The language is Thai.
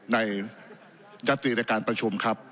ยัตติในการประชุมครับ